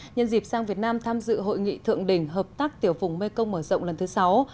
nhân dịp sang việt nam tham dự hội nghị thượng đỉnh hợp tác tiểu vùng mekong mở rộng lần thứ sáu